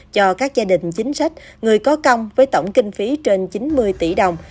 cho các gia đình chính sách người có công với tổng kinh phí trên chín mươi tỷ đồng